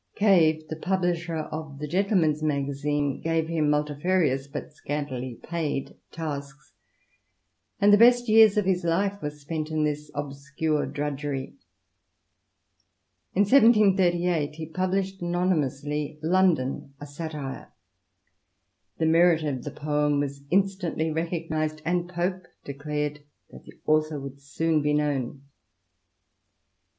" Cave, the publisher of the GenHemaris Magazine^ gave him multifarious but scantily paid tasks, and the best years of his life were spent in this obscure drudgery. In 1738 he published anony mously, *' London, a Satire" The merit of the poem was INTRODUCTION. xiii instantly recognised, and Pope declared that the author would soon be known.